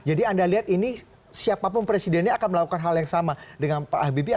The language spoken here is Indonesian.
jadi anda lihat ini siapapun presidennya akan melakukan hal yang sama dengan pak habibie